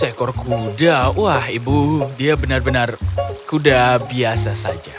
seekor kuda wah ibu dia benar benar kuda biasa saja